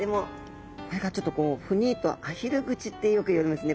何かちょっとこうふにっとアヒル口ってよく言われますね。